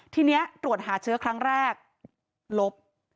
ทีนี้ตรวจหาเชื้อครั้งแรกลบ